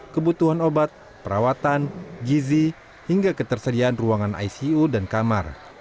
kebutuhan obat perawatan gizi hingga ketersediaan ruangan icu dan kamar